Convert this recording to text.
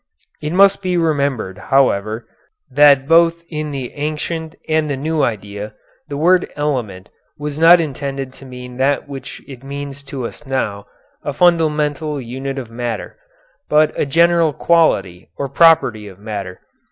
It must be remembered, however, that both in the ancient and the new idea the word 'element' was not intended to mean that which it means to us now, a fundamental unit of matter, but a general quality or property of matter.